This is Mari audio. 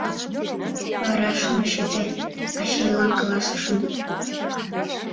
Вара шым чыте, ачийлан каласышым: